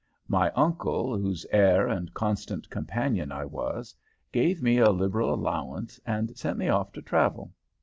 My uncle, whose heir and constant companion I was, gave me a liberal allowance, and sent me off to travel.